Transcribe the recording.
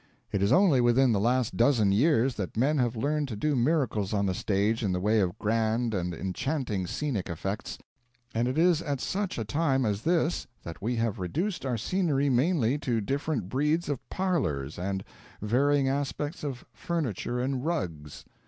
It is only within the last dozen years that men have learned to do miracles on the stage in the way of grand and enchanting scenic effects; and it is at such a time as this that we have reduced our scenery mainly to different breeds of parlours and varying aspects of furniture and rugs.